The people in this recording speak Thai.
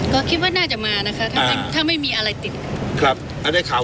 ก็คิดว่าน่าจะมานะคะอ่าถ้าไม่มีอะไรติดครับแล้วได้ข่าว